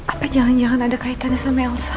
apa jangan jangan ada kaitannya sama elsa